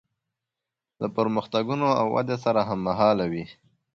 له پرمختګونو او ودې سره هممهاله وي.